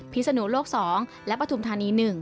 ศนุโลก๒และปฐุมธานี๑